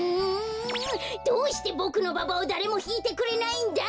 どうしてボクのババをだれもひいてくれないんだ！